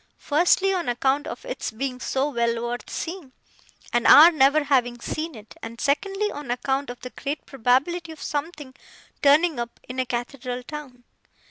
Firstly, on account of its being so well worth seeing, and our never having seen it; and secondly, on account of the great probability of something turning up in a cathedral town.